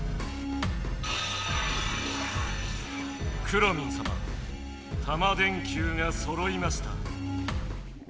くろミンさまタマ電Ｑがそろいました。